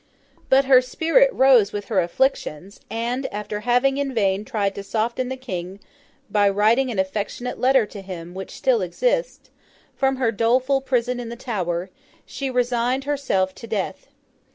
But her spirit rose with her afflictions; and, after having in vain tried to soften the King by writing an affecting letter to him which still exists, 'from her doleful prison in the Tower,' she resigned herself to death.